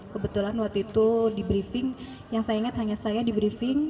kebetulan waktu itu di briefing yang saya ingat hanya saya di briefing